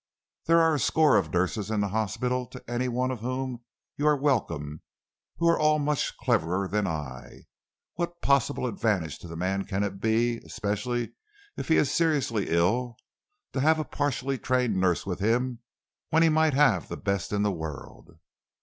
There are a score of nurses in the hospital to any one of whom you are welcome, who are all much cleverer than I. What possible advantage to the man can it be, especially if he is seriously ill, to have a partially trained nurse with him when he might have the best in the world?"